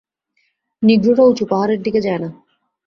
নিগ্রোরা উচু পাহাড়ের দিকে যায় না।